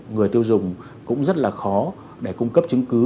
người tiêu dùng cũng rất là khó để cung cấp chứng cứ